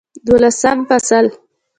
دولسم فصل